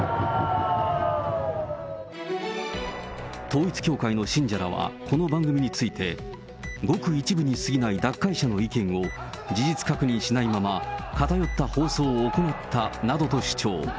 統一教会の信者らはこの番組について、ごく一部にすぎない脱会者の意見を、事実確認しないまま偏った放送を行ったなどと主張。